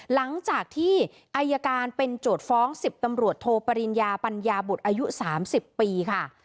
หลังจากที่อายการเป็นโจทย์ฟ้อง๑๐ตำรวจโทปริญญาปัญญาบุตรอายุ๓๐ปีค่ะ